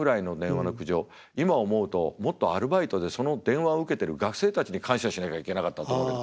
今思うともっとアルバイトでその電話を受けてる学生たちに感謝しなきゃいけなかったって思うけど。